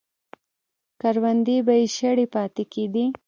کروندې به یې شاړې پاتې کېدې.